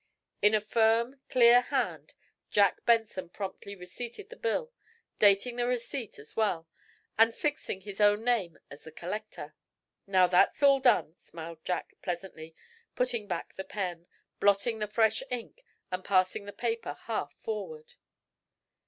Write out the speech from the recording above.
In a firm, clear hand Jack Benson promptly receipted the bill, dating the receipt as well, and affixing his own name as the collector. "Now, that's all done," smiled Jack, pleasantly, putting back the pen, blotting the fresh ink and passing the paper half forward.